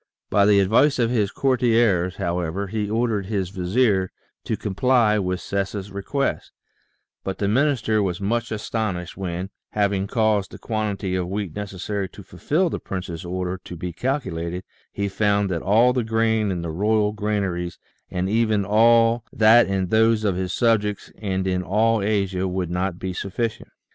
By the advice of his courtiers, however, he ordered his vizier to comply with Sessa's request, but the minister was much astonished when, having caused the quantity of wheat necessary to fulfil the prince's order to be calculated, he found that all the grain in the royal granaries, and even all that in those of his subjects and in all Asia, would not be sufficient.